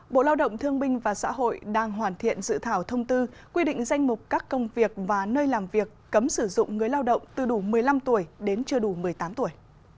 bộ lao động thương binh và xã hội đang hoàn thiện dự thảo thông tư quy định danh mục các công việc và nơi làm việc cấm sử dụng người lao động từ đủ một mươi năm tuổi đến chưa đủ một mươi tám tuổi